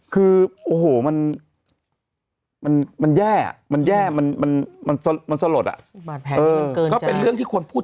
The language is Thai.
คือโอ้โหมันแย่สลดอ่ะก็เป็นเรื่องที่ควรพูด